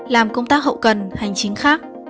làm công tác hậu cần hành chính khác